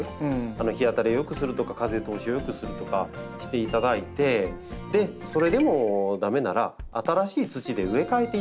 日当たりを良くするとか風通しを良くするとかしていただいてそれでも駄目なら新しい土で植え替えていただくのがベストなんです。